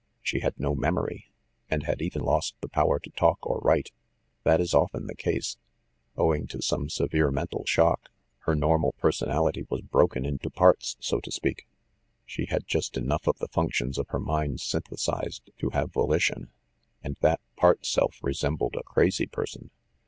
She had no memory, and had even lost the power to talk or write. That is often the case. Owing to some severe mental shock, her normal personality was broken up into parts, so to speak. She had just enough of the functions of her mind synthesized to have voli tion, and that part self resembled a crazy person.